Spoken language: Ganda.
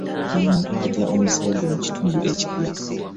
Buli muntu ajja n'omuze gwe mu kitundu ekipya.